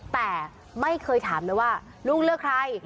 แต่ไม่เคยถามเลยว่าลูกเลือกใคร